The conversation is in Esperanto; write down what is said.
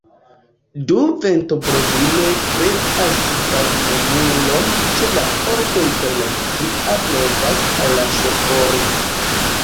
Du ventobloviloj kreas varmomuron ĉe la pordoj kaj la tria blovas al la ŝoforo.